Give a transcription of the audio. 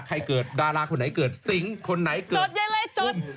ใครเกิดดาราคนไหนเกิดสิงคนไหนเกิดกุม